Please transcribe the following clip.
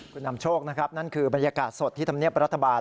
คุณนำโชคนะครับนั่นคือบรรยากาศสดที่ธรรมเนียบรัฐบาล